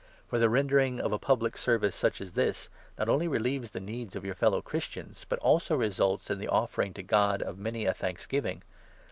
For the rendering of a public service such as this, not 12 only relieves the needs of your fellow Christians, but also results in the offering to God of many a thanksgiving.